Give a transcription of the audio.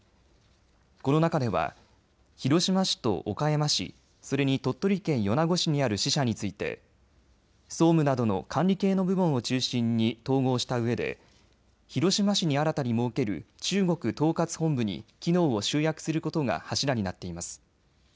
この中では広島市と岡山市、それに鳥取県米子市にある支社について総務などの管理系の部門を中心に統合したうえで広島市に新たに設ける中国統括本部に機能を集約することが柱になっています。